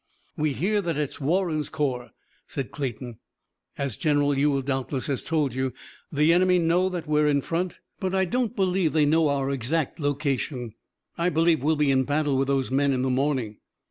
"We hear that it is Warren's corps," said Clayton. "As General Ewell doubtless has told you, the enemy know that we're in front, but I don't believe they know our exact location. I believe we'll be in battle with those men in the morning."